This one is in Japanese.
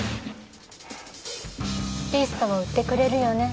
リストを売ってくれるよね？